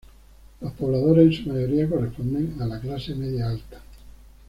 Los pobladores en su mayoría corresponden a la clase media alta.